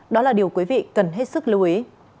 đó là điều quý vị cần hết sức lưu ý